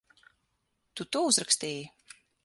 Tu to uzrakstīji?